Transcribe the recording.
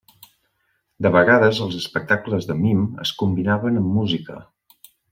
De vegades els espectacles de mim es combinaven amb música.